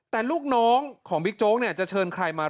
แต่ลูกน้องของบิ๊กโจ๊กเนี่ยจะเชิญใครมา